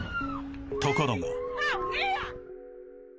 ところが。